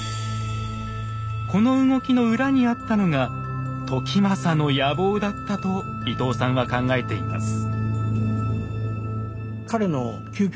この動きの裏にあったのが時政の野望だったと伊藤さんは考えています。